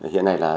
hiện này là